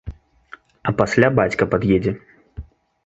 А пасля бацька пад'едзе.